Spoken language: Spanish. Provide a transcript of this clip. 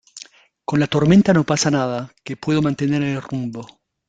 con la tormenta no pasa nada, que puedo mantener el rumbo.